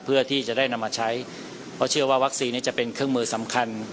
เพื่อที่จะได้นำมาใช้เพราะเชื่อว่าวัคซีนนี้จะเป็นเครื่องมือสำคัญ